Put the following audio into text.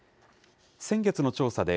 先月の調査で、